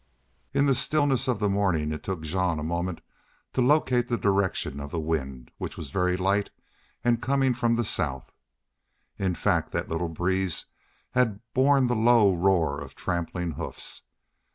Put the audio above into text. In the stillness of the morning it took Jean a moment to locate the direction of the wind, which was very light and coming from the south. In fact that little breeze had borne the low roar of trampling hoofs.